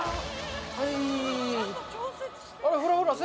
はい！